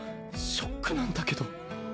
ショックなんだけど。